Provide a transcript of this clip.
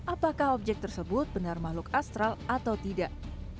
apakah objek tersebut benar makhluk astral atau tidak